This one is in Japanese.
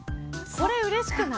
これ、うれしくない。